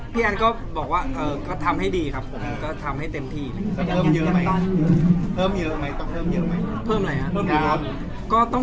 พี่แอนสั่งอะไรเป็นพิเศษไหมครับ